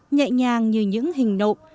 nhẹ nhàng như những hình nộm